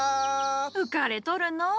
浮かれとるのう。